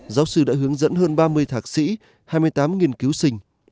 giáo sư đã hướng dẫn hơn ba mươi thạc sĩ hai mươi tám nghiên cứu sinh